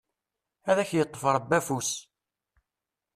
Ad ak-yeṭṭef Rebbi afus!